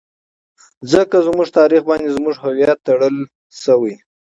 ځکه زموږ تاريخ باندې زموږ هويت ټړل شوى.